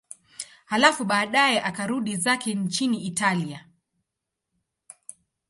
Halafu baadaye akarudi zake nchini Italia.